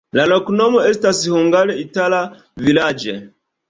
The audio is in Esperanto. La loknomo estas hungare itala-vilaĝ'.